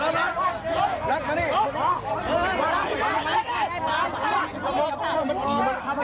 รับคำนี้